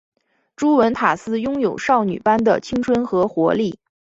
朱文塔斯拥有少女般的青春和活力。